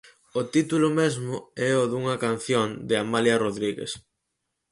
O título mesmo é o dunha canción de Amalia Rodrígues.